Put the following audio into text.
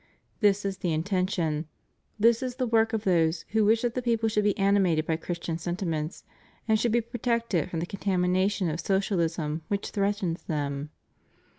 This is the intention; this is the work of those who wish that the people should be animated by Christian sentiments and should be protected from the contamination of social ism which threatens them.